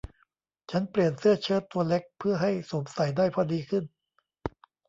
ฉันเปลี่ยนเสื้อเชิ้ตตัวเล็กเพื่อให้สวมใส่ได้พอดีขึ้น